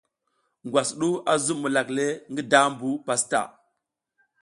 Ngwas du a zuɓ milak le, ngi dambu pastaʼa.